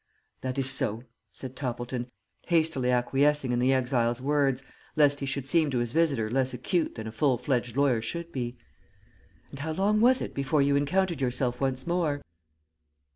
"That is so," said Toppleton, hastily acquiescing in the exile's words, lest he should seem to his visitor less acute than a full fledged lawyer should be. "And how long was it before you encountered yourself once more?"